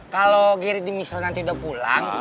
kalau geri di misro nanti udah pulang